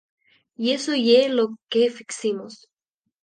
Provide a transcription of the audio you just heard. Y eso ye lo que fiximos.